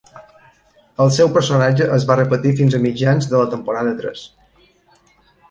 El seu personatge es va repetir fins a mitjans de la temporada tres.